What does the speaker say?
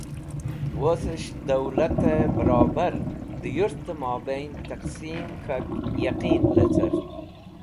Woz es̃h Daulate barobar de yurte mobain taqsim k̃hak yaqeen lecert.